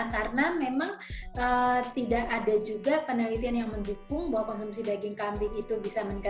karena memang tidak ada juga penelitian yang mendukung bahwa konsumsi daging kambing itu bisa meningkatkan